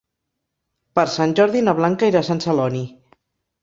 Per Sant Jordi na Blanca irà a Sant Celoni.